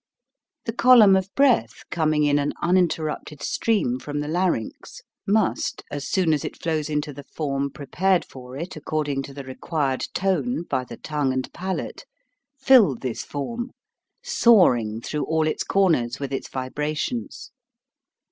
The column of breath coming in an uninter rupted stream from the larynx must as soon as it flows into the form prepared for it accord ing to the required tone, by the tongue and v P a l ate ; fill this form, soaring through all its corners with its vibrations.